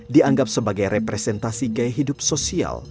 dianggap sebagai representasi gaya hidup sosial